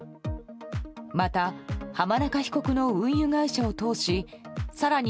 また、浜中被告の運輸会社を通し更に